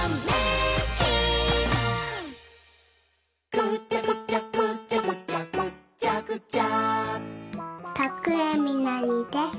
「ぐちゃぐちゃぐちゃぐちゃぐっちゃぐちゃ」徳江みのりです。